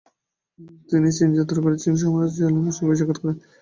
তিনি চীন যাত্রা করে চিং সম্রাট চিয়ানলোংয়ের সঙ্গে সাক্ষাত করেন।